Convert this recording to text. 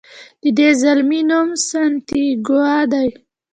د دې زلمي نوم سانتیاګو دی.